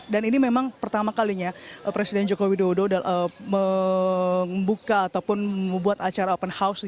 dan ini memang pertama kalinya presiden joko widodo membuka ataupun membuat acara open house